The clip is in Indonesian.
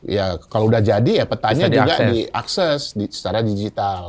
ya kalau sudah jadi ya petanya juga diakses secara digital